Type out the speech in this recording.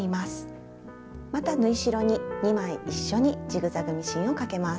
また縫い代に２枚一緒にジグザグミシンをかけます。